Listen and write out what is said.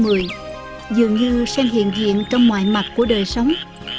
với người dân động tháp một mươi dường như sen hiện diện trong ngoại mặt của đời sống